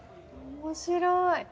面白い。